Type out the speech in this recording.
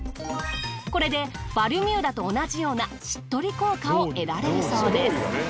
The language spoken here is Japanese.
これでバルミューダと同じようなしっとり効果を得られるそうです。